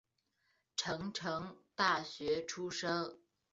成城大学出身。